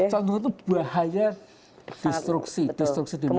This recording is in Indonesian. calon tunggal itu bahaya destruksi destruksi demokrasi